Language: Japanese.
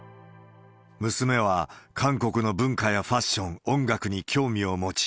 娘は韓国の文化やファッション、音楽に興味を持ち、